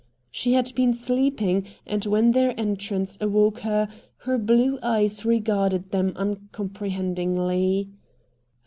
She had been sleeping, and when their entrance awoke her, her blue eyes regarded them uncomprehendingly.